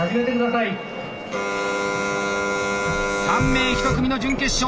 ３名１組の準決勝。